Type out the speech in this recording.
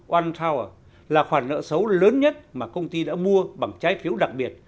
one power là khoản nợ xấu lớn nhất mà công ty đã mua bằng trái phiếu đặc biệt